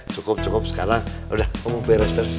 cukup cukup sekarang udah ngomong beres beres